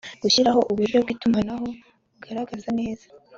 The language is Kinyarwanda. b gushyiraho uburyo bw itumanaho bugaragaza neza